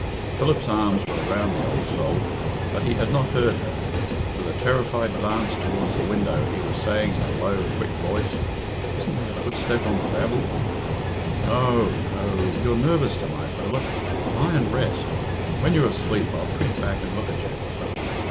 Philip's arms were about the old soul, but he had not heard her. With a terrified glance towards the window, he was saying in a low quick voice, "Isn't that a footstep on the gravel?" "N o, no! You're nervous to night, Philip. Lie and rest. When you're asleep, I'll creep back and look at you."